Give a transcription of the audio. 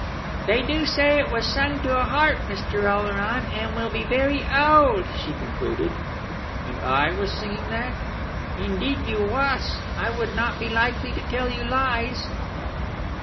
"They do say it was sung to a harp, Mr. Oleron, and it will be very o ald," she concluded. "And I was singing that?" "Indeed you wass. I would not be likely to tell you lies."